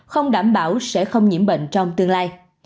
không đảm bảo sẽ không nhiễm bệnh trong tương lai